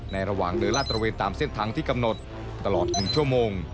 ระหว่างเดินลาดตระเวนตามเส้นทางที่กำหนดตลอด๑ชั่วโมง